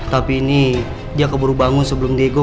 tapi ini dia keburu bangun sebelum diego